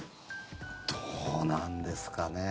どうなんですかね。